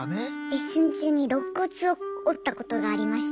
レッスン中にろっ骨を折ったことがありまして。